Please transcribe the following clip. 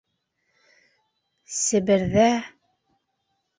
Себерҙә...